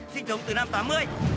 xin chồng từ năm tám mươi